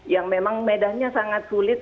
yang memang medannya sangat sulit